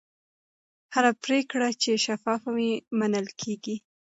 هره پرېکړه چې شفافه وي، منل کېږي.